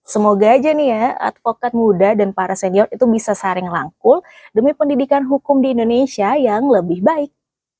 semoga aja nih ya advokat muda dan para senior itu bisa saring langkul demi pendidikan hukum di indonesia yang lebih baik